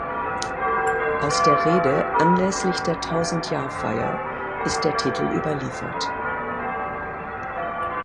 Aus der Rede anlässlich der Tausendjahrfeier ist der Titel überliefert.